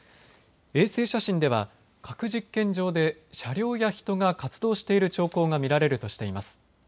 衛星写真では核実験場で車両や人が活動している兆候が見られるとしています。